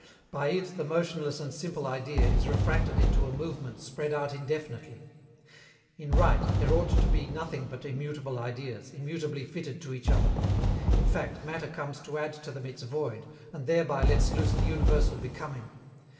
By it the motionless and simple Idea is refracted into a movement spread out indefinitely. In right, there ought to be nothing but immutable Ideas, immutably fitted to each other. In fact, matter comes to add to them its void, and thereby lets loose the universal becoming.